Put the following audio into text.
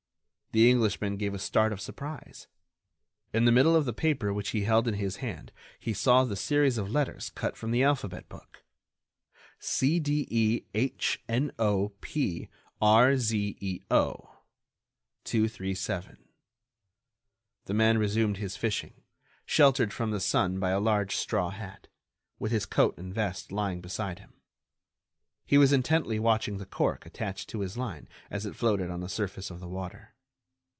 The Englishman gave a start of surprise. In the middle of the paper which he held in his hand he saw the series of letters cut from the alphabet book: CDEHNOPRZEO—237. The man resumed his fishing, sheltered from the sun by a large straw hat, with his coat and vest lying beside him. He was intently watching the cork attached to his line as it floated on the surface of the water.